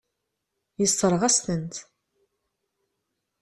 Yessṛeɣ-as-tent.